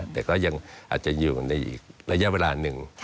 แต่ก็ยังอาจจะอยู่ในอีกระยะเวลาหนึ่ง